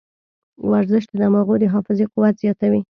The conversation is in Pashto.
ورزش د دماغو د حافظې قوت زیاتوي.